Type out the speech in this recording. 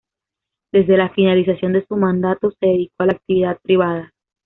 Desde la finalización de su mandato se dedicó a la actividad privada.